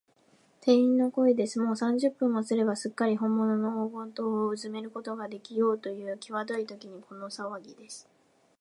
店員の声です。もう三十分もすれば、すっかりほんものの黄金塔をうずめることができようという、きわどいときに、このさわぎです。